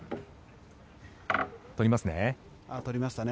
取りますね。